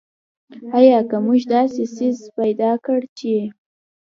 آیا که موږ داسې څیز پیدا کړ چې.